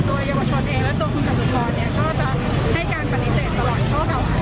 ตัวเยาวชนเองและตัวคุณสมุทรก็จะให้การปฏิเสธตลอดเพราะเก่าไหร่